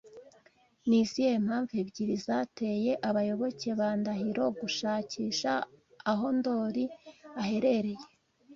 Ni izihe mpamvu ebyiri zateye abayoboke ba Ndahiro gushakisha aho Ndori aherereye